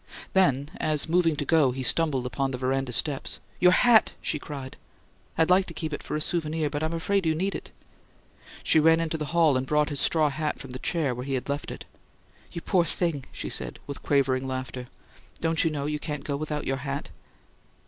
Then, as moving to go, he stumbled upon the veranda steps, "Your HAT!" she cried. "I'd like to keep it for a souvenir, but I'm afraid you need it!" She ran into the hall and brought his straw hat from the chair where he had left it. "You poor thing!" she said, with quavering laughter. "Don't you know you can't go without your hat?"